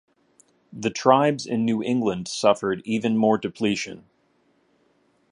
The tribes in New England suffered even more depletion.